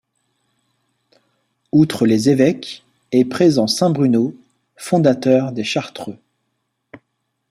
Outre les évêques, est présent Saint Bruno, fondateur des Chartreux.